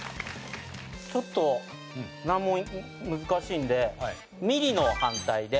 ちょっと難問難しいんでミリの反対でキロ。